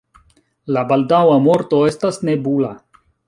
La baldaŭa morto estas nebula.